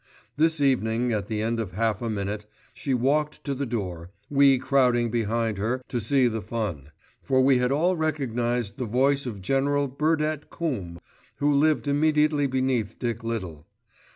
This evening, at the end of half a minute, she walked to the door, we crowding behind her to see the fun, for we had all recognised the voice of General Burdett Coombe, who lived immediately beneath Dick Little.